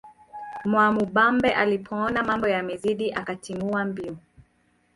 Mwamubambe alipoona mambo yamemzidia akatimua mbio